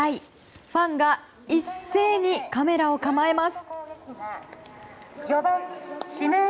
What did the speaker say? ファンが一斉にカメラを構えます。